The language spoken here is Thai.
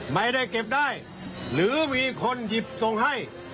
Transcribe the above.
ไม่ได้เก็บได้หรือมีคนหยิบส่งให้